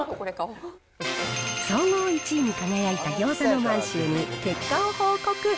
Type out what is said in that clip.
総合１位に輝いたぎょうざの満州に、結果を報告。